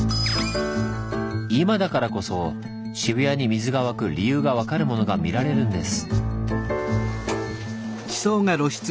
今だからこそ渋谷に水が湧く理由が分かるものが見られるんです。